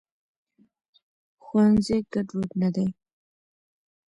ښوونځي ګډوډ نه دی.